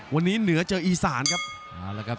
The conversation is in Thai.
วันนี้เหนือเจออีสานครับ